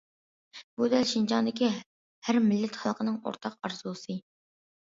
بۇ دەل شىنجاڭدىكى ھەر مىللەت خەلقنىڭ ئورتاق ئارزۇسى.